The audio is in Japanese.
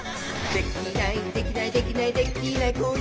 「できないできないできないできない子いないか」